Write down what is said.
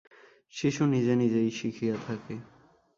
শিশু নিজে নিজেই শিখিয়া থাকে।